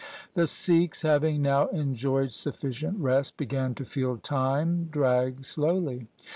The Sikhs having now enjoyed sufficient rest began to feel time drag slowly.